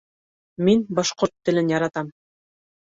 Мин башҡорт телен яратам